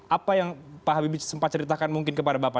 apa yang pak habibie sempat ceritakan mungkin kepada bapak